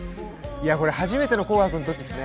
これ初めての「紅白」の時ですね。